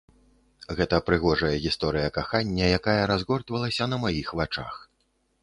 Гэта прыгожая гісторыя кахання, якая разгортвалася на маіх вачах.